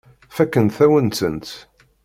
Fakkent-awen-tent.